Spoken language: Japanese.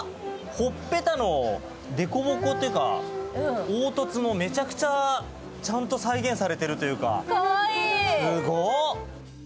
ほっぺたのデコボコというか、凹凸もめちゃくちゃちゃんと再現されてるというか、すごっ！